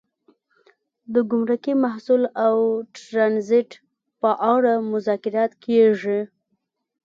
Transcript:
د ګمرکي محصول او ټرانزیټ په اړه مذاکرات کیږي